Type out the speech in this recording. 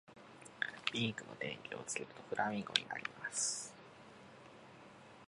ピンクの電球をつけるとフラミンゴになる